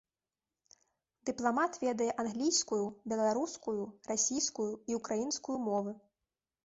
Дыпламат ведае англійскую, беларускую, расійскую і ўкраінскую мовы.